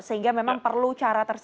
sehingga memang perlu cara tersebut